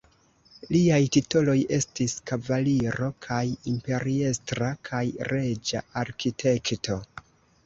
Liaj titoloj estis kavaliro kaj imperiestra kaj reĝa arkitekto.